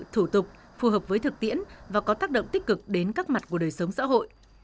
thủ tục phù hợp với thực tiễn và có tác động tích cực đến các mặt của đời sống xã hội